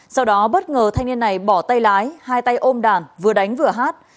sau đó bất ngờ thanh niên này bỏ tay lái hai tay ôm đàn vừa đánh vừa hát